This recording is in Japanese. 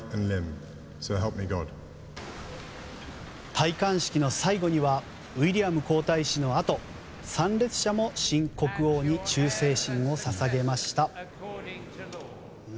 戴冠式の最後にはウィリアム皇太子のあと参列者も新国王に忠誠心を捧げました。